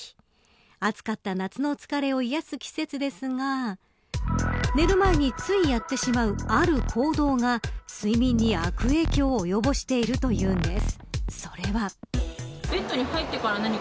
暑い夏の疲れを癒す季節ですが寝る前についやってしまう、ある行動が睡眠に悪影響を及ぼしているというんです。